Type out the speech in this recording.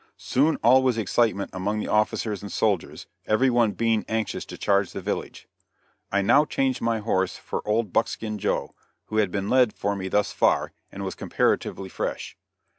Soon all was excitement among the officers and soldiers, every one being anxious to charge the village. I now changed my horse for old Buckskin Joe, who had been led for me thus far, and was comparatively fresh.